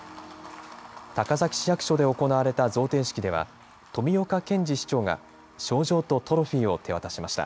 高崎市役所で行われた贈呈式では、富岡賢治市長が賞状とトロフィーを手渡しました。